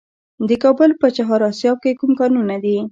د کابل په چهار اسیاب کې کوم کانونه دي؟